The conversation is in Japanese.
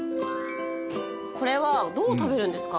これはどう食べるんですか？